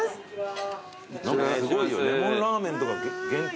何かすごいよレモンラーメンとか限定